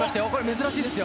珍しいですよ。